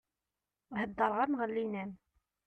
Heddeṛeɣ-am ɣellin-am!